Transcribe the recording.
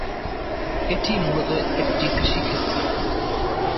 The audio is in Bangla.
এটি মূলত একটি কৃষিক্ষেত্র।